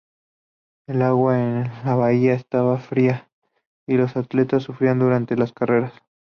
El agua en la bahía estaba fría, y los atletas sufrían durante sus carreras.